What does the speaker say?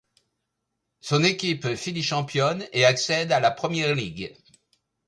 Son équipe finit championne et accède à la Premier League.